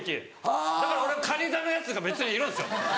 だから俺はかに座のヤツが別にいるんですよ。